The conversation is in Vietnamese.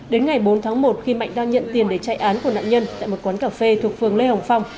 đến ngày bốn tháng một khi mạnh đang nhận tiền để chạy án của nạn nhân tại một quán cà phê thuộc phường lê hồng phong